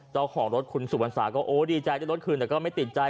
เจ้าของรถคุณสุพรรษาก็โอ้ดีใจได้รถคืนแต่ก็ไม่ติดใจ